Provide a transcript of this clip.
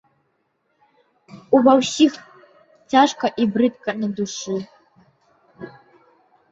Ува ўсіх цяжка і брыдка на душы.